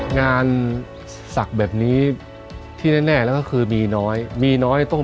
งานศักดิ์แบบนี้ที่แน่แล้วก็คือมีน้อยมีน้อยต้อง